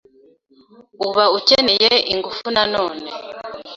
uba ukeneye ingufu nanone